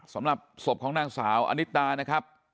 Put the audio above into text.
สำหรับศพของนางสาวอนิตานะครับ